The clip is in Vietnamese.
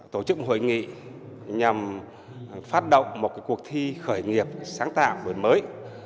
tổ chức một hội nghị nhằm phát động một cuộc thi khởi nghiệp sáng tạo mới